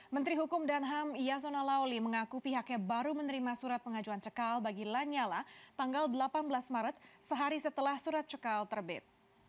menteri hukum dan ham yasona lauli mengaku pihaknya baru menerima surat pengajuan cekal bagi lanyala tanggal delapan belas maret sehari setelah surat cekal terbit